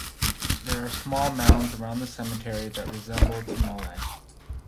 There are small mounds around the cemetery that resemble tumuli.